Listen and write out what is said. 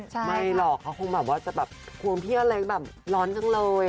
ไม่หรอกเขาคงแบบว่าจะแบบควงพี่อเล็กแบบร้อนจังเลย